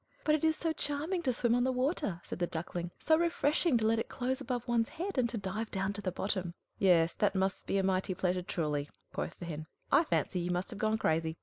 "But it is so charming to swim on the water!" said the Duckling, "so refreshing to let it close above one's head, and to dive down to the bottom." "Yes, that must be a mighty pleasure, truly," quoth the Hen, "I fancy you must have gone crazy.